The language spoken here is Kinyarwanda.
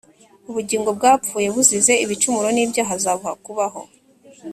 . Ubugingo “bwapfuye buzize ibicumuro n’ibyaha” azabuha kubaho.